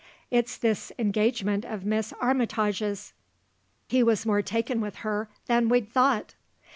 "It's this engagement of Miss Armytage's. He was more taken with her than we'd thought."